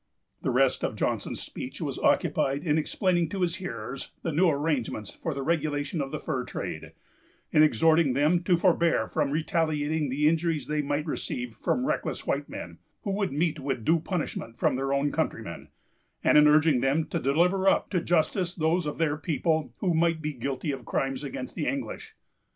The rest of Johnson's speech was occupied in explaining to his hearers the new arrangements for the regulation of the fur trade; in exhorting them to forbear from retaliating the injuries they might receive from reckless white men, who would meet with due punishment from their own countrymen; and in urging them to deliver up to justice those of their people who might be guilty of crimes against the English.